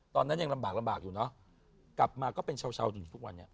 ตอนนั้นยังลำบากอยู่นะกลับมาก็เป็นเช่าถึงทุกวันนี้